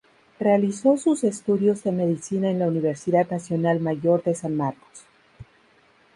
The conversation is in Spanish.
Realizó sus estudios de Medicina en la Universidad Nacional Mayor de San Marcos.